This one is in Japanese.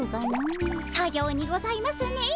さようにございますねえ。